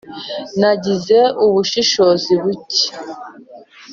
Nagize ubushishozi buke